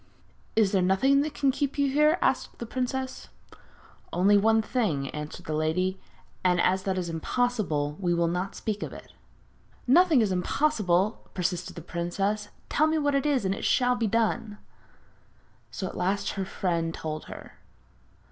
'Is there nothing that can keep you here?' asked the princess. 'Only one thing,' answered the lady, 'and as that is impossible, we will not speak of it.' 'Nothing is impossible,' persisted the princess. 'Tell me what it is, and it shall be done.' So at last her friend told her.